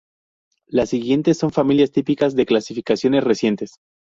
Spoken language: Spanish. Las siguientes son familias típicas de clasificaciones recientes.